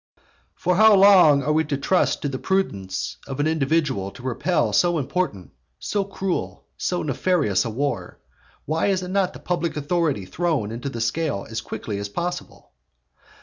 For how long are we to trust to the prudence of an individual to repel so important, so cruel, and so nefarious a war? Why is not the public authority thrown into the scale as quickly as possible?